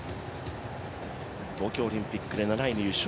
東京オリンピックで７位入賞。